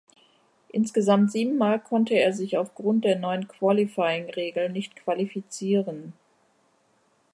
Insgesamt sieben Mal konnte er sich aufgrund der neuen Qualifying-Regel nicht qualifizieren.